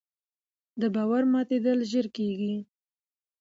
د باور ماتېدل ژر کېږي